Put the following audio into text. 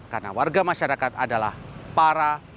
karena warga masyarakat adalah para wali kota